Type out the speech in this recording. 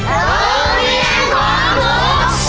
เอาเรียนความมุข